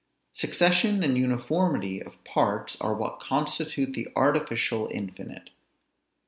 Succession and uniformity of parts are what constitute the artificial infinite.